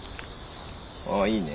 あいいね。